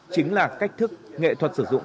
chính là cách thức nghệ thuật sử dụng